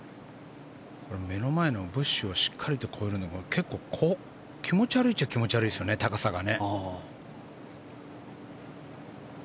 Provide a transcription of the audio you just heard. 目の前のブッシュをしっかりと越えるのが気持ち悪いっちゃ気持ち悪いですよね、高さが。